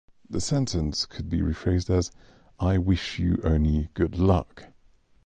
The sentence could be rephrased as "I wish you only good luck!"